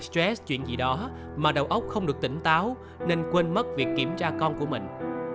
chết chuyện gì đó mà đầu óc không được tỉnh táo nên quên mất việc kiểm tra con của mình